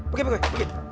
pergi pergi pergi